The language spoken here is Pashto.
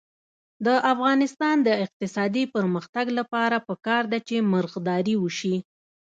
د افغانستان د اقتصادي پرمختګ لپاره پکار ده چې مرغداري وشي.